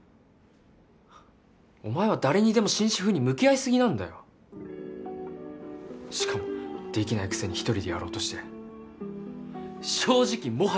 お前は誰にでも真摯風に向き合いすぎなんだよしかもできないくせに１人でやろうとして正直もはやうざい！